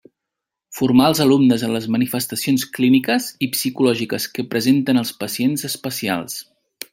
Formar els alumnes en les manifestacions clíniques i psicològiques que presenten els pacients especials.